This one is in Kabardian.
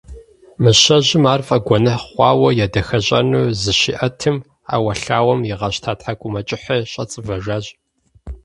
Мыщэжьым ар фӀэгуэныхь хъуауэ едэхэщӀэну зыщиӀэтым, Ӏэуэлъауэм игъэщта ТхьэкӀумэкӀыхьыр, щӀэцӀывэжащ.